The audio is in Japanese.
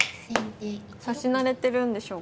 指し慣れてるんでしょうか。